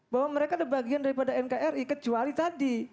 bahwa mereka ada bagian daripada nkri kecuali tadi